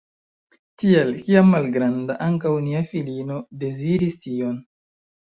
Tial, kiam malgranda, ankaŭ nia filino deziris tion.